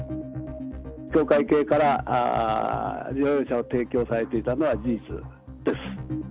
教会系から、乗用車を提供されていたのは事実です。